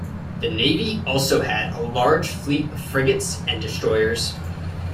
The navy also had a large fleet of frigates and destroyers.